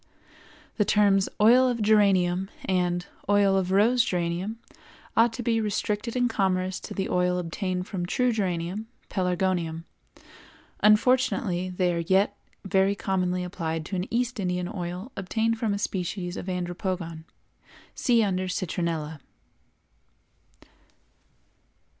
The terms "Oil of Geranium" and "Oil of Rose Geranium" ought to be restricted in commerce to the oil obtained from true geranium (Pelargonium). Unfortunately, they are yet very commonly applied to an East Indian oil obtained from a species of Andropogon (see under Citronella).